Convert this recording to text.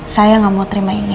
saya nggak mau terima ini